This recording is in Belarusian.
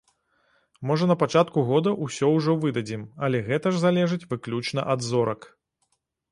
Можа на пачатку года ўсё ўжо выдадзім, але гэта ж залежыць выключна ад зорак.